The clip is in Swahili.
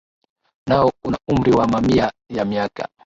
nao una umri wa mamia ya miaka